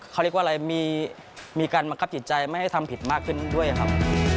เขาเรียกว่าอะไรมีการบังคับจิตใจไม่ให้ทำผิดมากขึ้นด้วยครับ